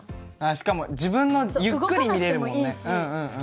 しかも自分のゆっくり見れるもんね。